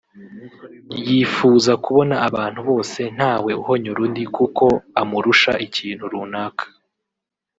yifuza kubona abantu bose ntawe uhonyora undi kuko amurusha ikintu runaka